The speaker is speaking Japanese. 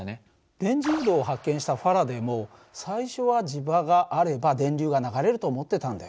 電磁誘導を発見したファラデーも最初は磁場があれば電流が流れると思ってたんだよ。